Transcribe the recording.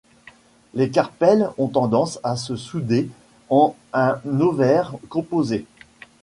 Les carpelles ont tendance à se souder en un ovaire composé.